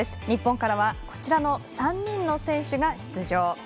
日本からはこちらの３人の選手が出場。